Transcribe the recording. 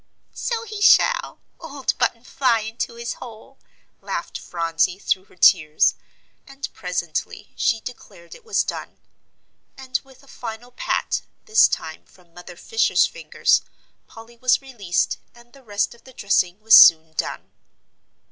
"So he shall, old button fly into his hole," laughed Phronsie through her tears. And presently she declared it was done. And with a final pat, this time from Mother Fisher's fingers, Polly was released, and the rest of the dressing was soon done.